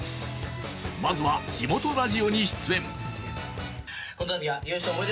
まずは地元ラジオに出演。